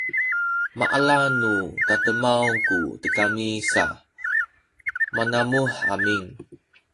maala nu tademaw ku tigami sa manamuh amin